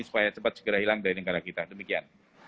supaya cepat segera hilang dari negara kita demikian